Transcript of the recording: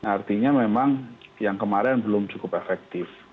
artinya memang yang kemarin belum cukup efektif